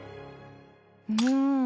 うん。